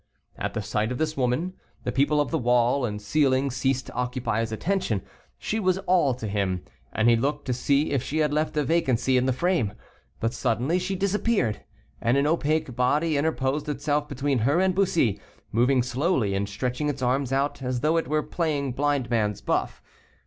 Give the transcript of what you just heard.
At the sight of this woman, the people of the wall and ceiling ceased to occupy his attention; she was all to him, and he looked to see if she had left a vacancy in the frame. But suddenly she disappeared; and an opaque body interposed itself between her and Bussy, moving slowly, and stretching its arms out as though it were playing blindman's buff.